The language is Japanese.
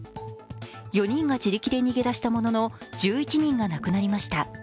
４人が自力で逃げ出したものの１１人が亡くなりました。